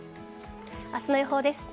明日の予報です。